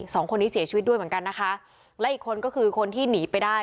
สองคนนี้เสียชีวิตด้วยเหมือนกันนะคะและอีกคนก็คือคนที่หนีไปได้